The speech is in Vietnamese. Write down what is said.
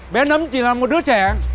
bé nấm chỉ là một đứa trẻ